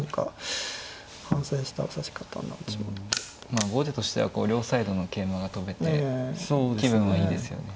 まあ後手としては両サイドの桂馬が跳べて気分はいいですよね。